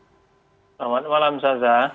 selamat malam saza